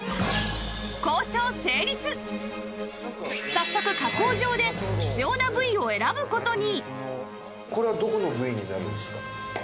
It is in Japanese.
早速加工場で希少な部位を選ぶ事に